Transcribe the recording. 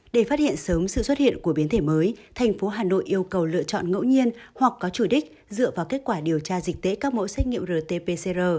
để phát hiện sớm sự xuất hiện của biến thể mới thành phố hà nội yêu cầu lựa chọn ngẫu nhiên hoặc có chủ đích dựa vào kết quả điều tra dịch tễ các mẫu xét nghiệm rt pcr